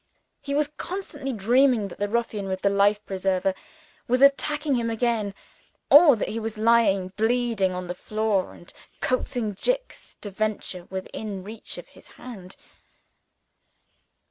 He was constantly dreaming that the ruffian with the "life preserver" was attacking him again, or that he was lying bleeding on the floor and coaxing Jicks to venture within reach of his hand.